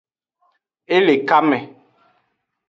E le kame.